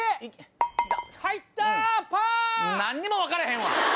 何にも分からへんわ！